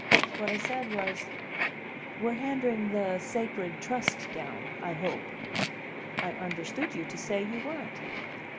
What I said was: "We're handing the 'sacred trust' down, I hope." "I understood you to say you weren't."